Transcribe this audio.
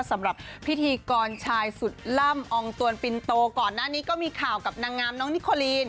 สำหรับพิธีกรชายสุดล่ำอองตวนปินโตก่อนหน้านี้ก็มีข่าวกับนางงามน้องนิโคลีน